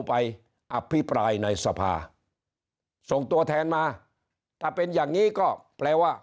ไปอภิปรายในสภาส่งตัวแทนมาถ้าเป็นอย่างนี้ก็แปลว่า